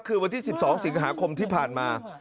คือวันที่๑๒สิงหาคมที่ผ่านมา